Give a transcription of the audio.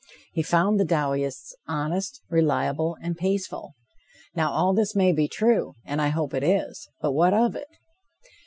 He found the Dowieites honest, reliable and peaceful. Now, all this may be true, and I hope it is; but what of it?